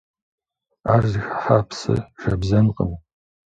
Ар зыхыхьа псы жэбзэнкъым.